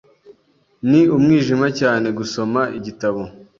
Ni umwijima cyane gusoma igitabo.